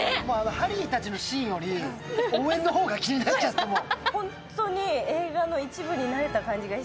ハリーたちのシーンより応援の方が気になっちゃったもん。